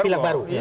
kilang baru ya